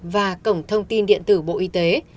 và cổng thông tin điện tử bộ y tế